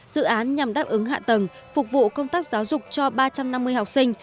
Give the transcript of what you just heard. dự án nhằm đáp ứng hạ tầng phục vụ công tác giáo dục cho ba trăm năm mươi học sinh